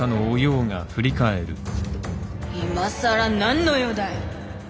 今更何の用だい！